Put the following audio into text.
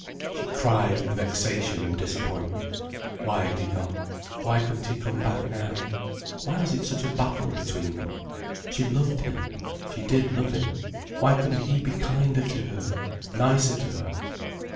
She cried with vexation and disappointment. Why had he gone? Why couldn't he come back now? Why was it such a battle between them? She loved him—she did love him—why couldn't he be kinder to her, nicer to her?